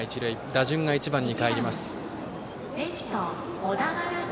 打順が１番にかえります。